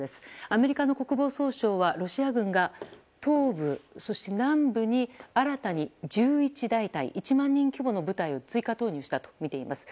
アメリカの国防総省はロシア軍が東部、そして南部に新たに１１大隊１万人規模の部隊を追加投入したとみています。